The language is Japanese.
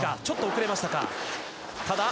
ちょっと遅れましたか。